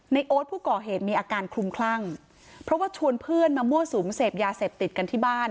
โอ๊ตผู้ก่อเหตุมีอาการคลุมคลั่งเพราะว่าชวนเพื่อนมามั่วสุมเสพยาเสพติดกันที่บ้าน